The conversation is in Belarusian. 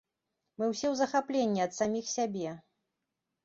Мы ўсе ў захапленні ад саміх сябе.